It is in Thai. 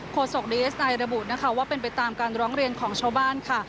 โศกดีเอสไอระบุนะคะว่าเป็นไปตามการร้องเรียนของชาวบ้านค่ะ